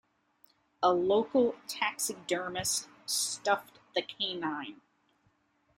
A local taxidermist stuffed the canine.